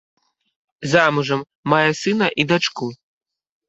Замужам, мае сына і дачку.